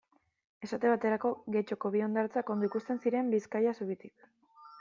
Esate baterako, Getxoko bi hondartza ondo ikusten ziren Bizkaia zubitik.